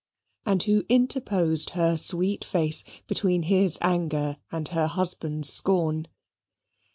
and who interposed her sweet face between his anger and her husband's scorn.